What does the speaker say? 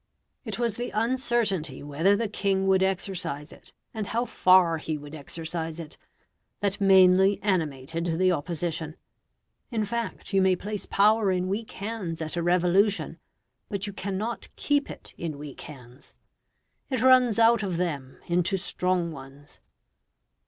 It was the uncertainty whether the king would exercise it, and how far he would exercise it, that mainly animated the opposition. In fact, you may place power in weak hands at a revolution, but you cannot keep it in weak hands. It runs out of them into strong ones.